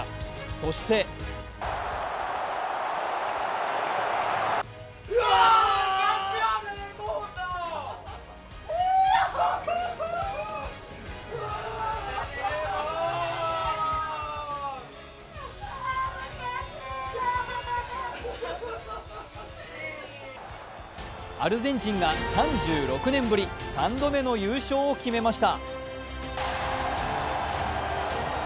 そしてアルゼンチンが３６年ぶり３度目の優勝を決めました。